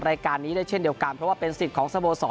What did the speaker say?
รายการนี้ได้เช่นเดียวกันเพราะเป็นสิ่งของสโบษรต้นสังกัด